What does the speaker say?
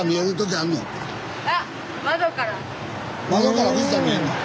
窓から富士山見えんの？